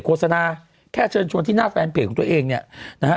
โฆษณาแค่เชิญชวนที่หน้าแฟนเพจของตัวเองเนี่ยนะฮะ